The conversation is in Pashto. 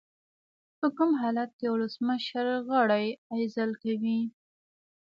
په کوم حالت کې ولسمشر غړی عزل کوي؟